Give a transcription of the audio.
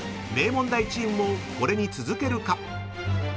［名門大チームもこれに続けるか？］